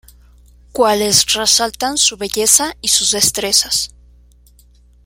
Cuales resaltan su belleza y sus destrezas.